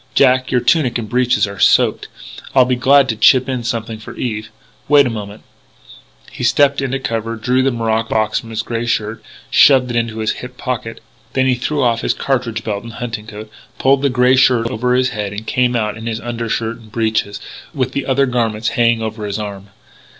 Jack, your tunic and breeches are soaked; I'll be glad to chip in something for Eve.... Wait a moment " He stepped into cover, drew the morocco box from his grey shirt, shoved it into his hip pocket. Then he threw off his cartridge belt and hunting coat, pulled the grey shirt over his head and came out in his undershirt and breeches, with the other garments hanging over his arm.